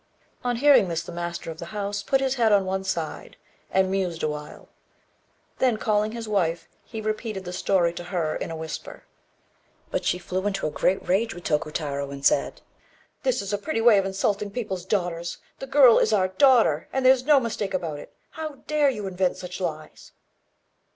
On hearing this, the master of the house put his head on one side, and mused a while; then, calling his wife, he repeated the story to her, in a whisper. But she flew into a great rage with Tokutarô, and said "This is a pretty way of insulting people's daughters. The girl is our daughter, and there's no mistake about it. How dare you invent such lies?"